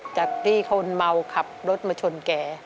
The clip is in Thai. จากที่คนเมาขับรถมาชนแก